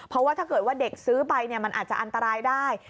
เพราะว่าถ้าเกิดว่าเด็กซื้อไปมันอาจจะอันตรายได้